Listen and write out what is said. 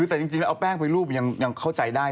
แต่จริงแล้วเอาแป้งไปรูปยังเข้าใจได้